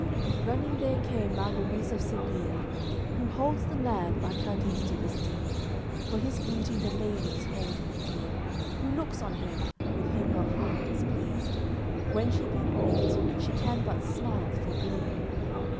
LXXVII Running there came Margariz of Sibile, Who holds the land by Cadiz, to the sea. For his beauty the ladies hold him dear; Who looks on him, with him her heart is pleased, When she beholds, she can but smile for glee.